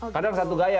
kadang satu gaya